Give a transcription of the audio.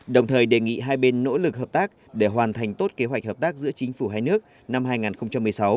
đồng thời đề nghị hai bên nỗ lực hợp tác để hoàn thành tốt kế hoạch hợp tác giữa chính phủ hai nước năm hai nghìn một mươi sáu